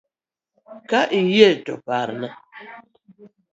Ka iyie to parna